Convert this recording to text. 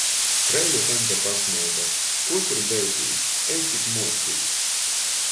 Preiļu taņte pasmaida: "Kuo tur beitīs, ej tik i muocīs!"